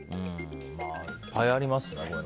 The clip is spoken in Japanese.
いっぱいありますね。